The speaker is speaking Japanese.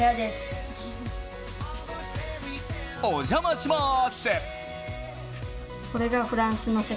お邪魔します。